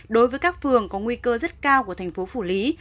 đối với các phường có nguy cơ rất cao của thành phố phủ lý